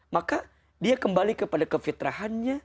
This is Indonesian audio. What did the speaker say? maka dia kembali kepada kefitrahannya